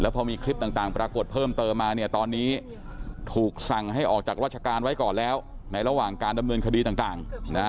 พอมีคลิปต่างปรากฏเพิ่มเติมมาเนี่ยตอนนี้ถูกสั่งให้ออกจากราชการไว้ก่อนแล้วในระหว่างการดำเนินคดีต่าง